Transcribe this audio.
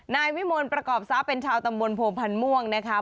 นายวิมนต์ประกอบซ้าเป็นชาวตำบลโพมพันธ์ม่วงนะคะ